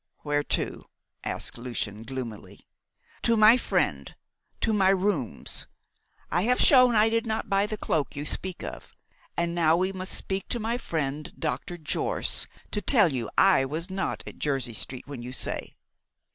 "Where to?" asked Lucian gloomily. "To my friend to my rooms. I have shown I did not buy the cloak you speak of. Now we must find my friend, Dr. Jorce, to tell you I was not at Jersey Street when you say."